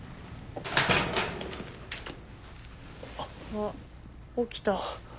あっ起きた。